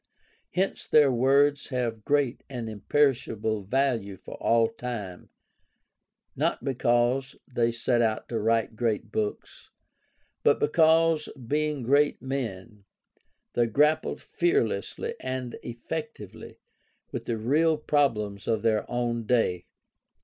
Hence their words have great and im perishable value for all time, not because they set out to write great books, but because, being great men, they grappled fearlessly and effectively with the real problems of their own day.